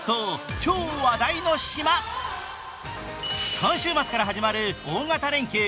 今週末から始まる大型連休。